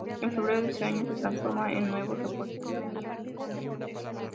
En febrero de este año se transforma en nuevo refuerzo de Miami United.